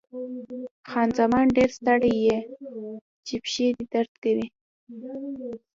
خان زمان: ډېر ستړی یې، چې پښې دې درد کوي؟